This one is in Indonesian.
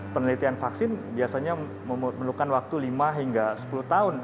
penelitian vaksin biasanya memerlukan waktu lima hingga sepuluh tahun